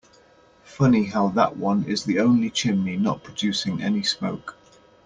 Funny how that one is the only chimney not producing any smoke.